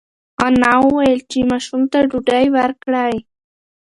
انا وویل چې ماشوم ته ډوډۍ ورکړئ.